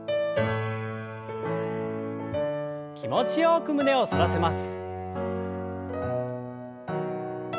気持ちよく胸を反らせます。